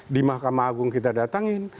di mahkamah agung kita datangin